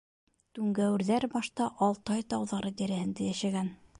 Түңгәүерҙәр башта Алтай тауҙары тирәһендә йәшәгән.